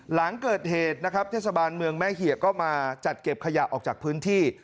หลังเกิดเหตุนะครับเทศบาลเมืองแม่เหี่ยก็มาจัดเก็บขยะออกจากพื้นที่